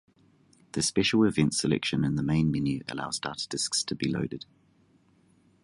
The special events selection in the main menu allows data disks to be loaded.